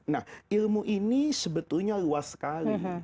nah ilmu ini sebetulnya luas sekali